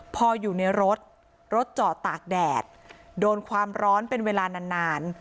พออยู่ในรถรถจอดตากแดดโดนความร้อนเป็นเวลานานนาน